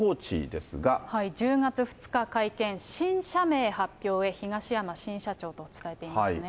１０月２日会見、新社名発表へ、東山新社長と伝えていますね。